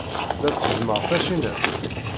La tteẓẓmeɣ tacinat.